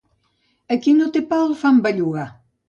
A qui no té pa el fan bellugar.